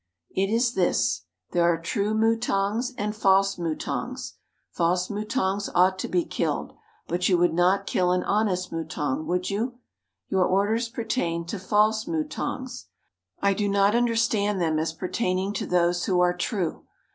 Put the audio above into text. It is this: There are true mutangs and false mutangs. False mutangs ought to be killed, but you would not kill an honest mutang, would you? Your orders pertain to false mutangs; I do not understand them as pertaining to those who are true.